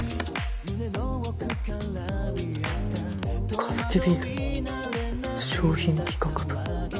カヅキビール商品企画部？